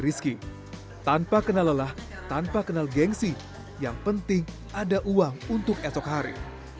rizky tanpa kenal lelah tanpa kenal gengsi yang penting ada uang untuk esok hari